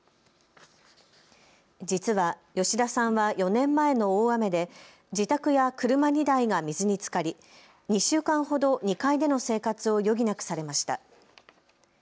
実は吉田さんは４年前の大雨で自宅や車２台が水につかり２週間ほど２階での生活を余儀なくされました。